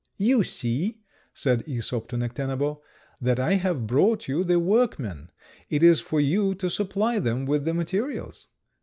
"You see," said Æsop to Necténabo, "that I have brought you the workmen; it is for you to supply them with the materials."